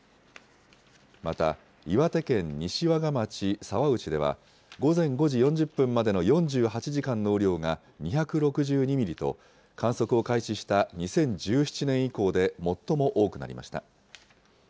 また、岩手県西和賀町沢内では午前５時４０分までの４８時間の雨量が２６２ミリと、観測を開始した２０１７年以降で最も多くなりました。